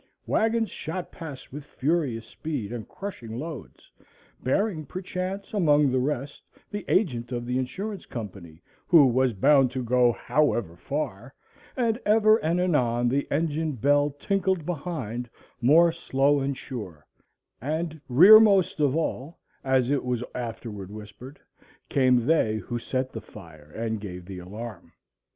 Wagons shot past with furious speed and crushing loads, bearing, perchance, among the rest, the agent of the Insurance Company, who was bound to go however far; and ever and anon the engine bell tinkled behind, more slow and sure; and rearmost of all, as it was afterward whispered, came they who set the fire and gave the alarm.